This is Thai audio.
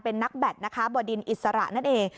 เป็นนักแบตนะคะบ่อดินอิสระนั่นเอง